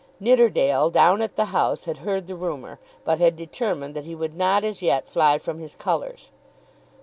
Nidderdale down at the House had heard the rumour, but had determined that he would not as yet fly from his colours.